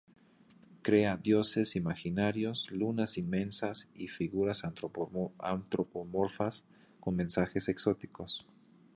Crea dioses imaginarios, lunas inmensas y figuras antropomorfas con mensajes exóticos.